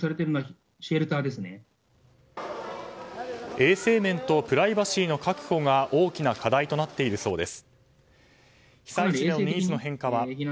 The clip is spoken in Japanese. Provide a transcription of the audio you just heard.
衛生面とプライバシーの確保が大きな課題となっているそうです。